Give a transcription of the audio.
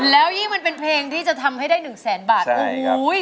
แล้วยิ่งมันเป็นเพลงที่จะทำให้ได้หนึ่งแสนบาทโอ้โห